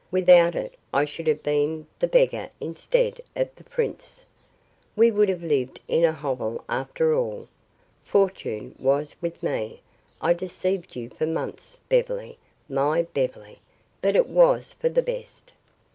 Without it I should have been the beggar instead of the prince. We would have lived in a hovel, after all. Fortune was with me, I deceived you for months, Beverly my Beverly, but it was for the best.